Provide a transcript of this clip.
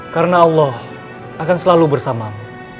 karena allah akan selalu bersamamu